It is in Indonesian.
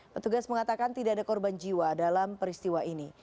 petugas mengatakan tidak ada korban jiwa dalam peristiwa ini